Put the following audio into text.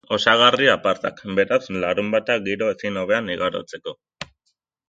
Osagarri apartak, beraz, larunbata giro ezin hobean igarotzeko.